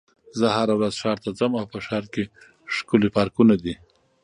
زه هره ورځ ښار ته ځم او په ښار کې ښکلي پارکونه دي.